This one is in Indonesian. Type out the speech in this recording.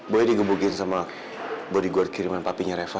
boy digebukin sama bodyguard kiriman papinya reva